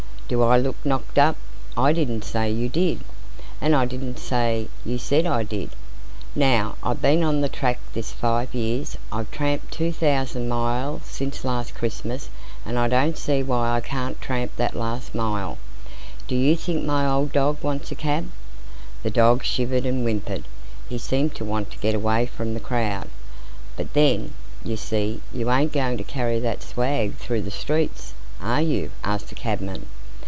"Do I look knocked up?" "I didn't say you did." "And I didn't say you said I did.... Now, I've been on the track this five years. I've tramped two thousan' miles since last Chris'mas, and I don't see why I can't tramp the last mile. Do you think my old dog wants a cab?" The dog shivered and whimpered; he seemed to want to get away from the crowd. "But then, you see, you ain't going to carry that swag through the streets, are you?" asked the cabman.